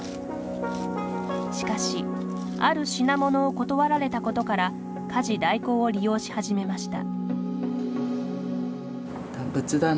しかし、ある品物を断られたことから家事代行を利用し始めました。